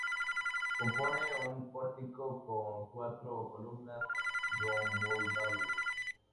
Compone un pórtico con cuatro columnas romboidales.